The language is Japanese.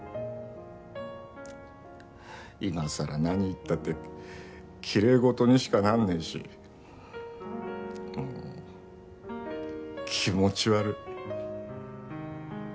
今さら何言ったってきれい事にしかなんねえしもう気持ち悪い。